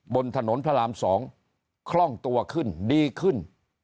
บนถนนพระราม๒คล่องตัวขึ้นดีขึ้น